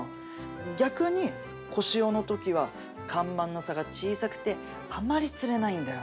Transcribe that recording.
逆に小潮の時は干満の差が小さくてあまり釣れないんだよ。